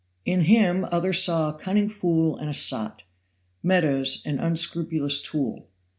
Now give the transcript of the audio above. In him others saw a cunning fool and a sot Meadows an unscrupulous tool.